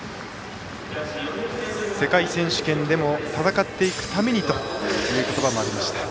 世界選手権でも戦っていくためにということばもありました。